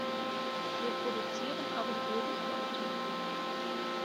Wir produzieren aber fröhlich weiter.